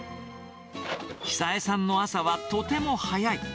久栄さんの朝はとても早い。